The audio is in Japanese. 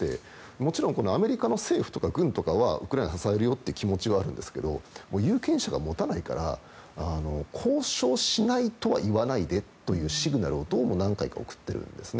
もちろんアメリカの政府とか軍とかはウクライナ支えるよという気持ちはあるんですけども有権者が持たないから交渉しないとは言わないでというシグナルを何回も送っているんですね。